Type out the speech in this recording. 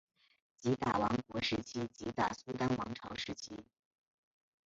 吉打王国时期吉打苏丹王朝时期